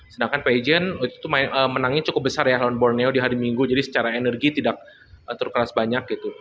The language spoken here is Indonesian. sedangkan paijen itu menangnya cukup besar ya laun borneo di hari minggu jadi secara energi tidak terkeras banyak gitu